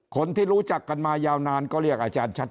คนที่รู้จักกันมายาวนานก็เรียกอาจารย์ชัด